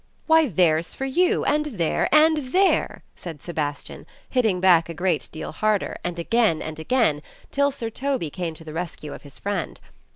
"Why, there's for you; and there, and there!" said Sebastian, hitting back a great deal harder, and again and again, till Sir Toby came to th(. rescue of his friend.